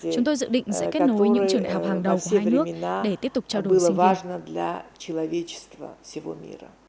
chúng tôi dự định sẽ kết nối những trường đại học hàng đầu của hai nước để tiếp tục trao đổi sinh viên